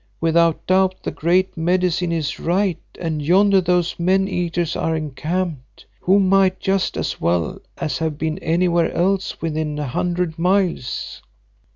"Without doubt the Great Medicine is right and yonder those men eaters are encamped, who might just as well as have been anywhere else within a hundred miles."